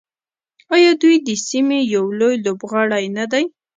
آیا دوی د سیمې یو لوی لوبغاړی نه دی؟